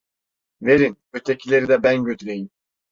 Verin, ötekileri de ben götüreyim!